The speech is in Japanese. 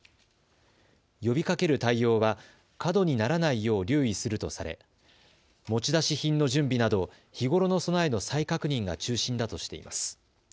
呼びかける対応は過度にならないよう留意するとされ持ち出し品の準備など日頃の備えの再確認が中心だとしています。